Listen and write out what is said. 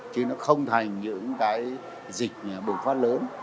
chứ nó không thành những cái dịch bùng phát lớn